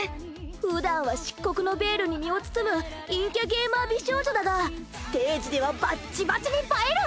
ふだんは漆黒のベールに身を包む陰キャゲーマー美少女だがステージではバッチバチに映える！